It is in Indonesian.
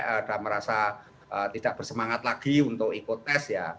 ada merasa tidak bersemangat lagi untuk ikut tes ya